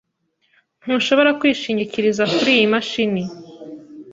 Ntushobora kwishingikiriza kuriyi mashini.